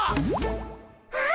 あ！